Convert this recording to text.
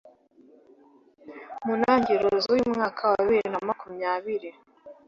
mu ntangiriro z'uyu mwaka wa bibiri na makumyabiri